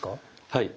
はい。